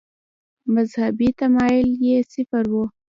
مذهبي تمایل یې صفر و.